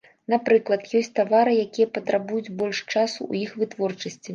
Напрыклад, ёсць тавары, якія патрабуюць больш часу ў іх вытворчасці.